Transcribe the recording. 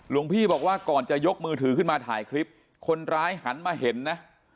หลวงพี่บอกว่าก่อนจะยกมือถือขึ้นมาถ่ายคลิปคนร้ายหันมาเห็นนะ